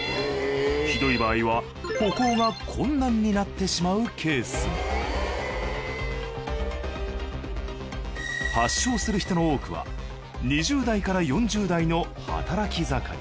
ひどい場合は歩行が困難になってしまうケースも発症する人の多くは２０代から４０代の働き盛り。